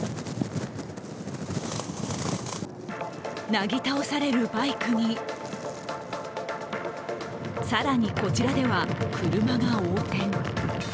なぎ倒されるバイクに更にこちらでは車が横転。